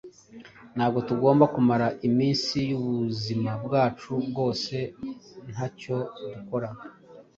Nta bwo tugomba kumara iminsi y’ubuzima bwacu bwose nta cyo dukora